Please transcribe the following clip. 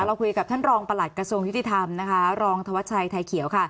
เราคุยกับท่านรองประหลัดกระทรวงยุติธรรมนะคะรองธวัชชัยไทยเขียวค่ะ